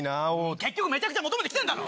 結局めちゃくちゃ求めてきてるだろ。